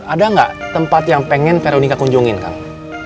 ada nggak tempat yang pengen veronika kunjungin kang